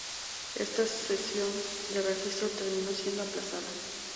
Esta sesión de registro terminó siendo aplazada.